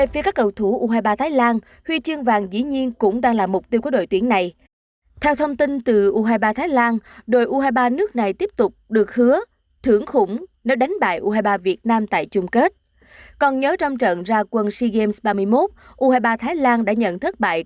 hãy đăng ký kênh để ủng hộ kênh của chúng mình nhé